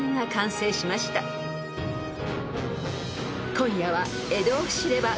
［今夜は］